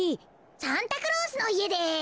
サンタクロースのいえです。